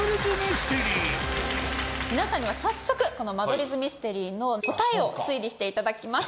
皆さんには早速この間取り図ミステリーの答えを推理していただきます。